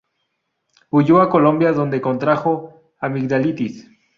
Huyó a Colombia, donde contrajo amigdalitis.